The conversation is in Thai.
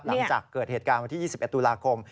หลังจากเกิดเหตุการณ์วันที่๒๑ตุลาคม